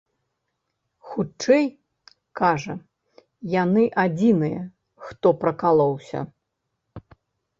Хутчэй, кажа, яны адзіныя, хто пракалоўся.